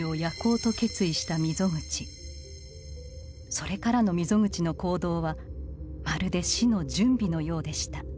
それからの溝口の行動はまるで「死の準備」のようでした。